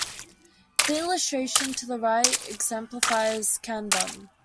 The illustration to the right exemplifies "kanbun".